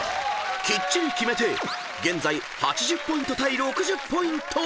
［きっちり決めて現在８０ポイント対６０ポイント］